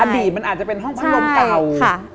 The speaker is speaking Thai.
อดีตมันอาจจะเป็นห้องพัดลมเก่าค่ะ